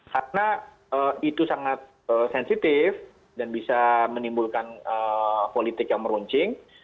karena itu sangat sensitif dan bisa menimbulkan politik yang meruncing